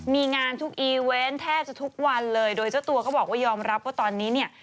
มีงานทุกอีเวนต์แทบจะทุกวันเลยโดยเจ้าตัวก็บอกว่ายอมรับว่าตอนนี้เนี่ย